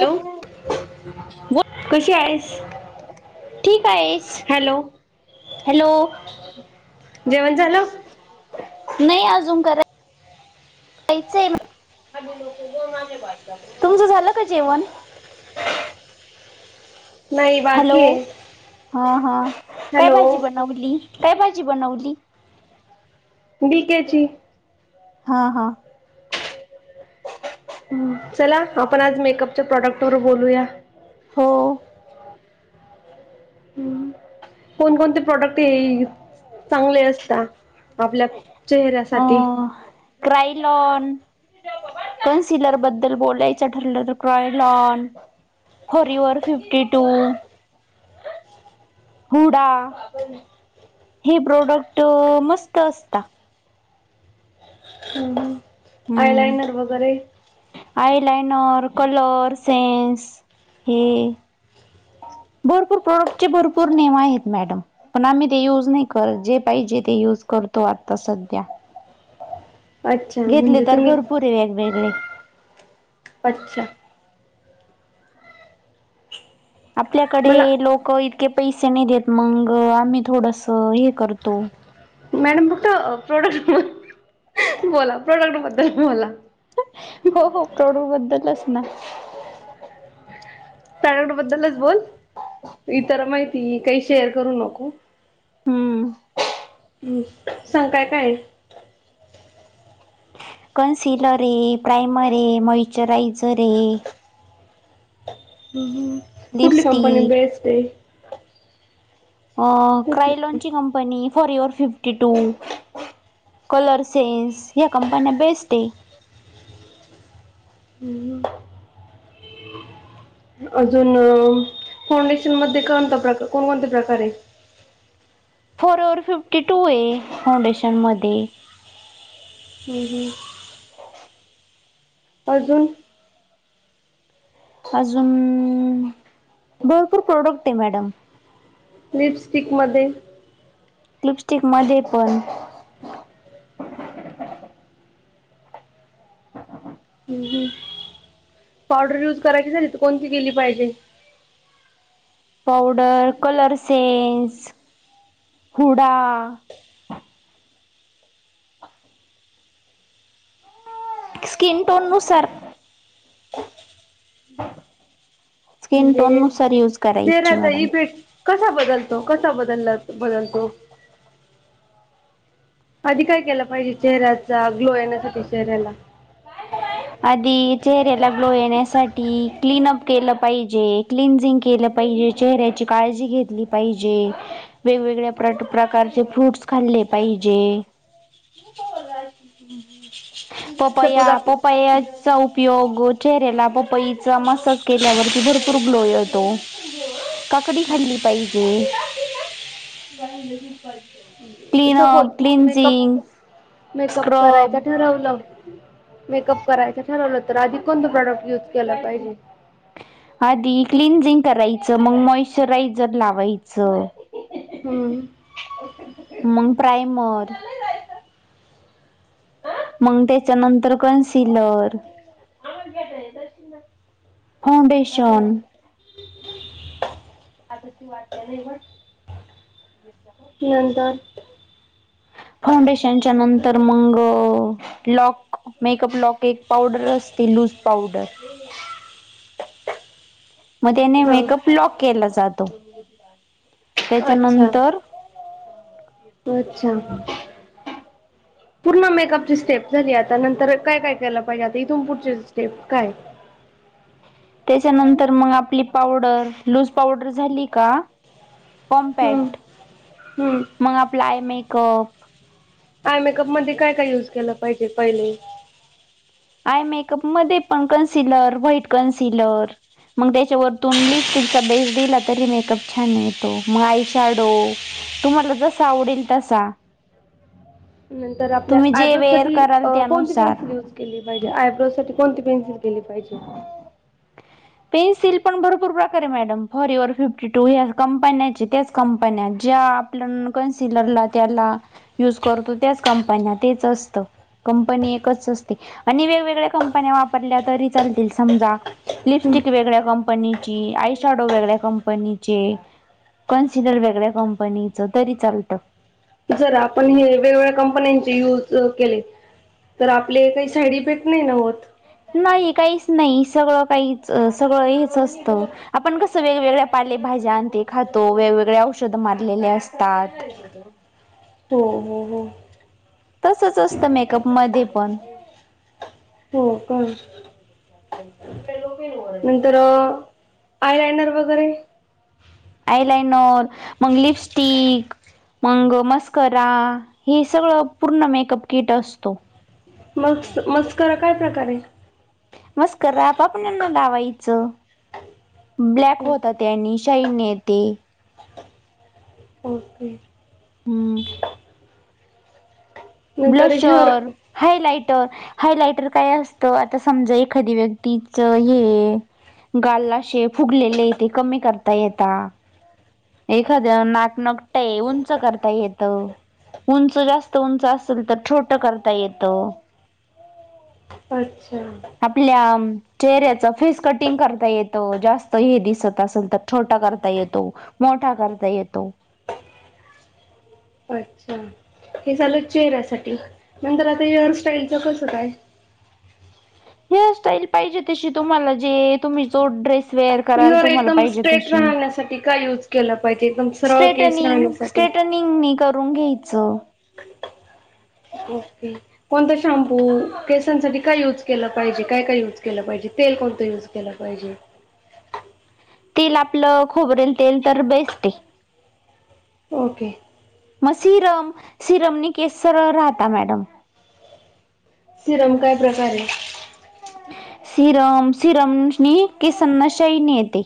Hello कशी हाईस? ठीक आयस हॅलो जेवण झालं नाई अजून करा तुमचं झालं का जेवण? नाही हॅलो बाकी आहे हा हा काय हॅलो भाजी बनवली, काय भाजी बनवली? बीक्याची. हा हा. चला आपण आज मेकअपच्या प्रॉडक्ट वर बोलूया. हो. हम् कोणकोणते प्रोडक्ट हे चांगले असता? आपल्या ह चेहऱ्यासाठी क्रायलॉन कन्सिलर बद्दल बोलायचं ठरलं तर Kryolan forever fifty two. Huda हे प्रोडक्ट मस्त असता. [unintelligible] हम्म. आयलायनर वगैरे आयलाइनर कलर सेन्स हे भरपूर प्रॉडक्ट चे भरपूर नेम आहेत मॅडम. पण आम्ही ते युज नाही करत जे पाहिजे ते युज करतो आता सध्या. [inaudible] घेतले म्हणजे तर तुम्ही भरपूर ए वेगवेगळे. अच्छा. आपल्याकडे मला लोक इतके पैसे नाही देत मग आम्ही थोडस हे करतो. मॅडम फक्त प्रोडक्ट बोला प्रोडक्ट बद्दल बोला. हो हो प्राणूबद्दलच ना. प्रोडक्ट बद्दलच बोल इतर माहिती काही शेअर करू नको. हम्म हम् सांग काय काय हाय? कन्सलर ए प्रायमर ए मॉइचरायझर ए. हम् हम् कुठली कंपनी लिपस्टिक बेस्ट ए? कुठली क्रायलॉनची company, फॉररिव्हर fifty two. Colour sense या कंपन्या बेस्ट ए. हम्. अजून फाउंडेशन मध्ये कोणता प्रकार कोणकणते प्रकार ए? फॉरयेवर फिफ्टी टू -ए फाउंडेशन मध्ये. हम्म हम्म. अजून? अजून भरपूर प्रोडक्ट ए मॅडम. लिपस्टिक मध्ये, लिपस्टिक मध्ये पण, हम् हम् पावडर युज करायची झाली तर, कोणती केली पाहिजे? Powder, colour sense, Huda. Skin tone नुसार स्किन टोन म्हणजे नुसार युज करायची चेहऱ्याचा मॅडम. इफेक्ट कसा बदलतो कसा बदलला बदलतो? आधी काय केलं पाहिजे चेहऱ्याचा. ग्लो येण्यासाठी चेहऱ्याला? [unintelligible] आधी चेहऱ्याला ग्लो येण्यासाठी क्लिनअप केलं पाहिजे. क्लिनझिंग केलं पाहिजे. चेहऱ्याची काळजी घेतली पाहिजे. वेगवेगळ्या प्रट प्रकारचे फ्रूट्स खाल्ले पाहिजे. [unintelligible] पपया, सपोज आप पप पपयाचा उपयोग चेहऱ्याला पपईचा मसाज केल्यावरती भरपूर ग्लो येतो. [unintelligible] काकडी खाल्ली पाहिजे. Suppose clean-up, makeup cleansing makeup करायचं ठरवलं. मेकअप करायचं ठरवलं. तर आधी कोणत प्रॉडक्ट युज केला पाहिजे? आधी क्लिन्झिंग करायचं, मग मॉश्चरायझर लावायचं. हम्म. मग प्राईमर, मग त्याच्यानंतर कनसिलर फाउंडेशन, आताची वाट्या लय घट्ट. [unintelligible] ही नंतर फाउंडेशनच्या नंतर मग लॉक मेकअप लॉक एक पावडर असते. लूज पावडर मग त्याने हा मेकअप लॉक केला जातो. अच्छा, त्याच्यानंतर अच्छा. पूर्ण मेकअपची स्टेप झाली. आता नंतर काय काय केलं पाहिजे. आता इथून पुढची स्टेप काय? त्याच्यानंतर मग आपली पावडर लूज पावडर झाली का हम्म कॉम्पॅक्ट हम्म मग आपलं आय मेकअप आयमेकअप मध्ये काय काय युज केला पाहिजे पहिले? आय मेकअप मध्ये पण कन्सिलर, व्हाईट कन्सिलर मग त्याच्यावरतून लिपस्टिकचा बेस दिला तरी मेकअप छान येतो मग आयशॅडो तुम्हाला जसा आवडेल तसा. नंतर आपल्या तुम्ही जे आयब्रोज वेअर साठी कराल कोणती पेन्सिल त्यानुसार यूज केली पाहिजे. आयब्रोज साठी कोणती पेन्सिल केली पाहिजे. पेन्सिल पण भरपूर प्रकारे madam. Forever fifty two ह्या कंपन्याचे त्याच कंपन्या ज्या आपल्या कन्सिलरला त्याला, युज करतो त्याच कंपन्या तेच असतं. कंपनी एकच असते आणि वेगवेगळ्या कंपन्या वापरल्या तरी चालतील समजा, लिपस्टिक वेगळ्या कंपनीची आय शॅडो वेगळ्या कंपनीचे कन्सिलर वेगळ्या कंपनीचं तरी चालतं. जरा आपण हे वेगवेगळ्या कंपन्यांचे यूज केले. तर आपले काही साईड इफेक्ट नाही ना होत. नाही काहीच नाही सगळं काहीच सगळं हेच असतं. आपण कसं वेगवेगळ्या पालेभज्या आणि ते खातो वेगवेगळ्या औषध मारलेले असतात. हो हो हो तसच असतं मेकअप मध्ये पण. हो का? [unintelligible] तर आयलायनर वगैरे आयलायनर मग लिपस्टिक मंग मस्करा हे सगळं पूर्ण मेकअप किट असतो. मग मस्करा काय प्रकार आहे? मस्करा पापण्यांना लावायचं. ब्लॅक होता त्यांनी शाईन येते. ओके. हम्म. नंतर हेअर ब्लाशर. हायलायटर हायलायटर काय असतं आता समजा एखादी व्यक्तीच हे गालला अशे फुगलेले येते कमी करता येता. एखाद्या नाक नकटय उंच करता येत. उंच जास्त उंच असेल तर छोट करता येतं. अच्छा! आपल्या चेहऱ्याच फेस कटिंग करता येतं जास्त हे दिसत असल तर. छोटा करता येतो मोठा करता येतो. अच्छा! हे झालं चेहऱ्यासाठी. नंतर आता हेअरस्टाईलच कसं काय? हेअरस्टाईल पाहिजे तशी तुम्हाला जे तुम्ही जो ड्रेस वेअर कराल हेअर तुम्हाला एकदम पाहिजे स्ट्रेट तशी राहण्यासाठी काय यूज केला पाहिजे एकदम सरळ केस स्ट्रेटनिंग राहण्यासाठी स्ट्रेट पिंग नी करून घ्यायचं. ओके. कोणता शॅम्पू केसांसाठी काय यूज केल पाहिजे काय काय यूज केलं पाहिजे तेल कोणतं यूज केला पाहिजे. तेल आपलं खोबरेल तेल तर बेस्ट आहे. ओके. मग सिरम सिरम नी केस सरळ राहता मॅडम. सिरम काय प्रकाराय? सिरम सिरमनी केसांना शाईन येते.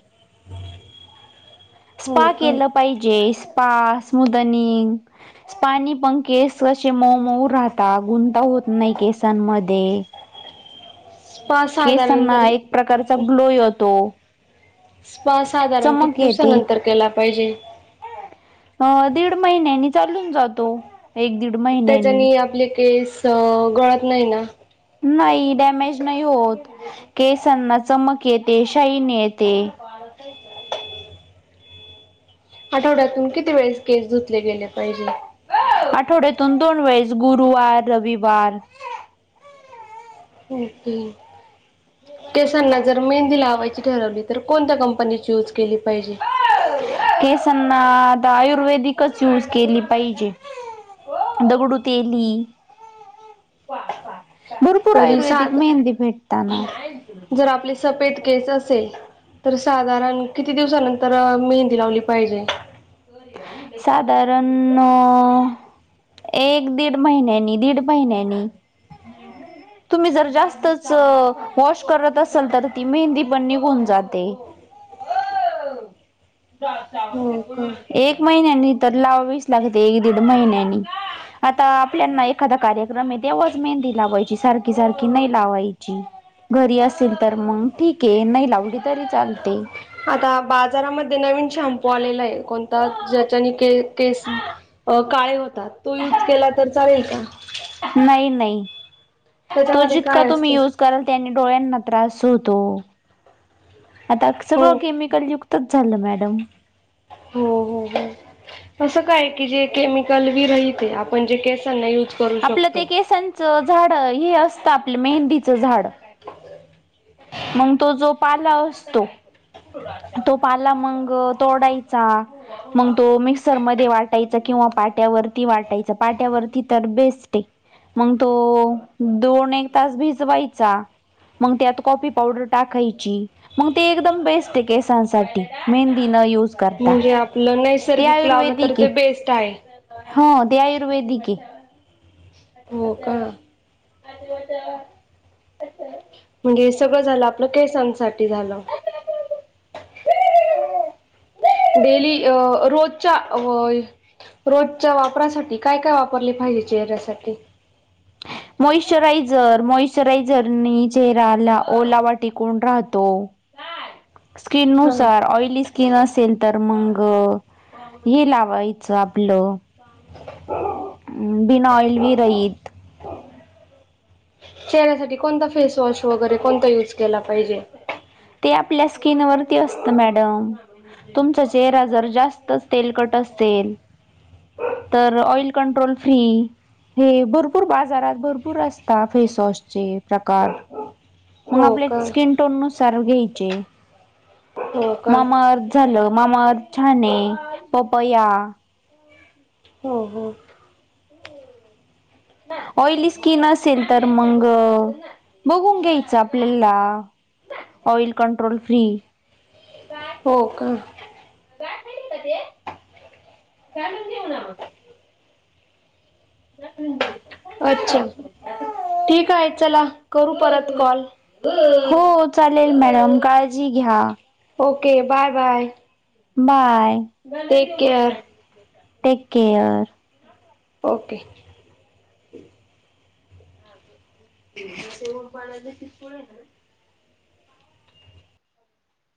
स्पा हो का केलं पाहिजे स्पा स्मुदनिंग - - स्पाणी पं केेस असे मऊ मऊ राहता गुंता होत नाही केसांमध्ये. स्पा साधारण केसांना तरी एक प्रकारचा ग्लो येतो. स्पा साधारण किती चमक येते दिवसानंतर केला पाहिजे? अ दीड महिन्यानी चालून जातो. एक दीड महिने त्याच्यानी आपले केस गळत नाही ना? नाही डॅमेज नाही होत. केसांना चमक येते. शाईन येते. [unintelligible] आठवड्यातून किती वेळेस केस धुतले गेले पाहिजे? आठवड्यातून दोन वेळेस गुरुवार, रविवार. होते केसांना जर मेहंदी लावायची ठरवली तर कोणत्या कंपनीची यूज केली पाहिजे? केसांना आता आयुर्वेदिकच यूज केली पाहिजे. दगडू तेली भरपूर तरी आयुर्वेदिक साध मेहंदी भेटताना. जर आपले सफेद केस असेल तर साधारण किती दिवसानंतर मेहंदी लावली पाहिजे? साधारण एक दीड महिन्यानी-दीड महिन्यानी [inaudible] तुम्ही जर जास्तच वॉश करत असाल तर ती मेहंदी पण निघून जाते. [inaudible] हो का [unintelligible] एक महिन्यानी तर लावीच लागते एक दीड महिन्यानी आता आपल्याला एखादा कार्यक्रम आहे तेव्हाच मेहंदी लावायची सारखी सारखी नाही लावायची. घरी असेल तर मग ठीक आहे नाही लावली तरी चालते. आता बाजारामध्ये नवीन शॅम्पू आलेला आहे कोणता ज्याच्यानी के-केस काळे होतात तो यूज केला तर चालेल का? नाही नाही तो त्याच्यामध्ये जितका काय तुम्ही असतं? यूज कारण त्याने डोळ्यांना त्रास होतो आता हो सगळं केमी कलीयुगत झालं मॅडम. हो हो हो असं काय की जे केमिकल विरहीत आहे आपण जे केसांना युज आपलं ते केसांचं झाड हे असतं आपलं मेहंदीचं झाड. मग तो जो पाला असतो. तो पाला मंग तोडायचा मग तो मिक्सरमध्ये वाटायचा किंवा पाट्यावरती वाटायच पाट्यावरती तर बेस्ट आहे. मग तो दोन एक तास भिजवायचा मग त्यात कॉफी पावडर टाकायची मग ते एकदम बेस्ट ये केसांसाठी मेहंदी न युज म्हणजे आपलं नैसर्गिक लावलं तर आहे ते बेस्ट आहे. हो ते आयुर्वेदिक ये. हो का [unintelligible] म्हणजे सगळं झालं आपलं केसांसाठी झालं. डेली अ रोजच्या अवय रोजच्या वापरासाठी काय काय वापरले पाहिजे चेहऱ्यासाठी मॉइश्चरायझर मॉइश्चरायझरनी चेहऱ्याला ओलावा टिकून राहतो. [inaudible] स्किन हा नुसार ऑइली स्क्री स्किन असेल तर मंग हे लावायचं आपलं बिना ऑइल विरहीत. चेहऱ्यासाठी कोणता फेसवॉश वगैरे कोणता युज केला पाहिजे. ते आपल्या स्किनवरती असत मॅडम. तुमचा चेहरा जर जास्तच तेलकट असेल तर ऑइल कंट्रोल फ्रि हे भरपूर बाजारात भरपूर असता फेसवॉशचे प्रकार. मग हो का आपल्या स्किन टोन नुसार घ्यायचे. हो का मामा अर्थ झालं मामा अर्थ छान आहे. पपया ह. हो हो. ऑइली स्किन असेल तर मग बघून घ्यायच आपल्याला ऑइल कंट्रोल फ्री हो का. का का ते घलून घेऊ ना मग नाही म्हणजे अच्छा. ठीक आहे चला करू परत कॉल. हो चालेल मॅडम काळजी घ्या. Okay bye bye. Bye take care take care. Okay. ह. [inaudible]